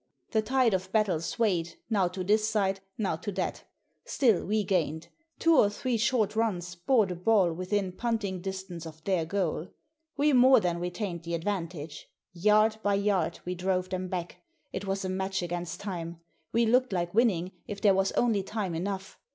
The tide of battle swayed, now to this side, now to that Still we gained. Two or three short runs bore the ball within punting distance of their goal. We more than retained the advantage. Yard by yard we drove them back. It was a match against time. We looked like winning if there was only time enough.